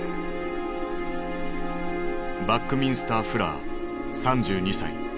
バックミンスター・フラー３２歳。